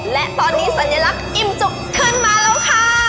และตอนนี้สัญลักษณ์อิ่มจุกขึ้นมาแล้วค่ะ